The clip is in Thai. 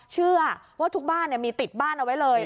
เชื่อว่าทุกบ้านมีติดบ้านเอาไว้เลย